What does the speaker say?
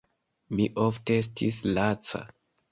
Mi ofte estis laca.